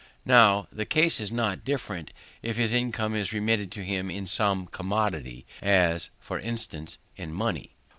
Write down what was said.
Now, the case is not different if his income is remitted to him in some one commodity, as, for instance, in money.